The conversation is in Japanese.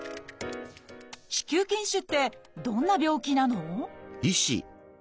「子宮筋腫」ってどんな病気なの？